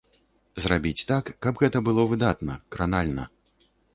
Зрабіць так, каб гэта было выдатна, кранальна.